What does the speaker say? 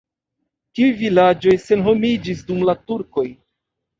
Tiuj vilaĝoj senhomiĝis dum la turkoj.